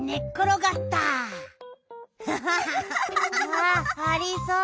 あありそう。